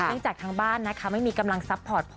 จากทางบ้านนะคะไม่มีกำลังซัพพอร์ตพอ